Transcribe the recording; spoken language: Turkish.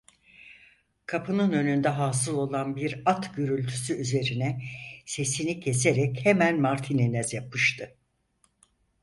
Kapının önünde hâsıl olan bir at gürültüsü üzerine sesini keserek hemen martinine yapıştı.